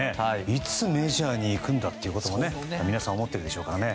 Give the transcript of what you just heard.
いつメジャーに行くんだとも皆さん、思っているでしょうね。